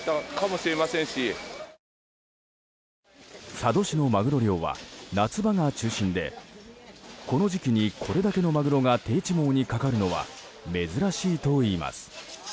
佐渡市のマグロ漁は夏場が中心でこの時期に、これだけのマグロが定置網にかかるのは珍しいといいます。